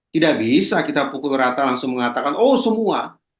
tidak bisa kita pukul rata langsung mengatakan oh semua